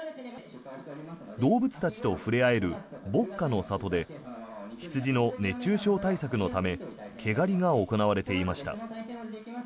動物たちと触れ合える牧歌の里で羊の熱中症対策のため毛刈りが行われていました。